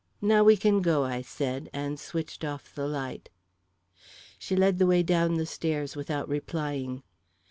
"Now we can go," I said, and switched off the light. She led the way down the stairs without replying.